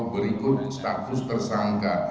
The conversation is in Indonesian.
berikut status tersangka